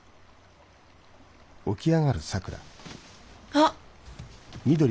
あっ。